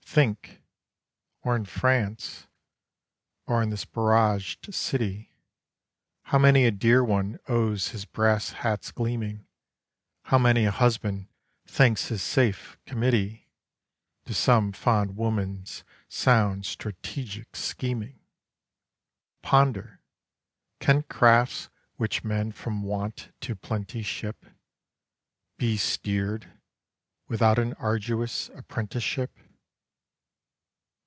Think or in France, or in this barraged city, How many a dear one owes his brass hat's gleaming, How many a husband thanks his safe Committee, To some fond woman's sound strategic scheming! Ponder can crafts which men from want to plenty ship, Be steered without an arduous apprenticeship?